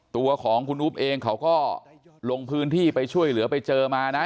ตัวของคุณอุ๊บเองเขาก็ลงพื้นที่ไปช่วยเหลือไปเจอมานะ